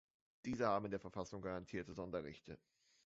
Diese haben in der Verfassung garantierte Sonderrechte.